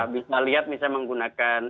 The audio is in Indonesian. bisa lihat misalnya menggunakan